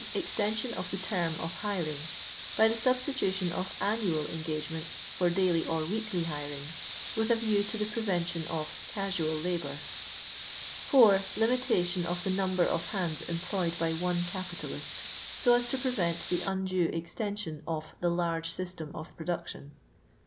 Extension of the term of hiring ; by the substitution of annual engagements ibr daily or weekly hirings, .with a view to the prevention of "casual labour." 4. Limitation of the number of hands em ployed by one capitalist ; so as to prevent the undue extension of " the large system of production."